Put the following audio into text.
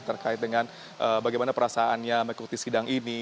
terkait dengan bagaimana perasaannya mengikuti sidang ini